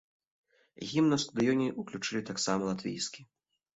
Гімн на стадыёне ўключылі таксама латвійскі.